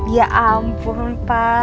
ya ampun pak